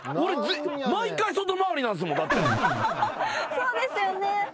そうですよね。